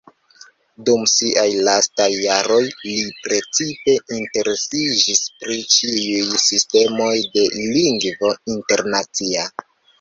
Dum siaj lastaj jaroj li precipe interesiĝis pri ĉiuj sistemoj de Lingvo Internacia.